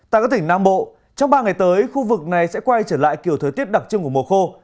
tại các tỉnh nam bộ trong ba ngày tới khu vực này sẽ quay trở lại kiểu thời tiết đặc trưng của mùa khô